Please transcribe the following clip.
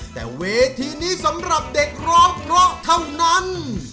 แต่เวทีนี้สำหรับเด็กร้องเพราะเท่านั้น